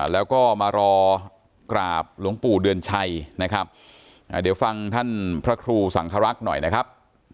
แล้วก็มารอกราบหลวงปู่เดือนชัยนะครับเดี๋ยวฟังท่านพระครูสังครักษ์หน่อยนะครับ